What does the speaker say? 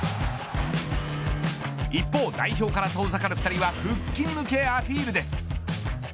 一方代表から遠ざかる２人は復帰に向けアピールです。